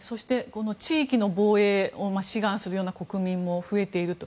地域の防衛を志願する国民も増えていると。